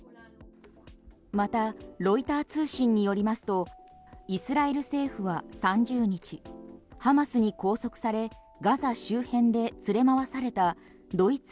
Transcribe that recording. また、ロイター通信によりますとイスラエル政府は３０日ハマスに拘束されガザ周辺で連れ回されたドイツ